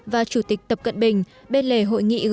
và chủ tịch tập cận bình bên lề hội nghị g hai mươi